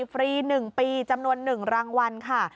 ฟรี๑ปีจำนวน๑รางวัลค่ะ